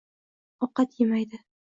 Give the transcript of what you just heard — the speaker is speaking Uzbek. Ovqat emaydi